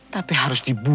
tapi harus dibuang